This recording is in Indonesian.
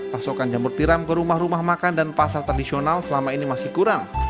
pasokan jamur tiram ke rumah rumah makan dan pasar tradisional selama ini masih kurang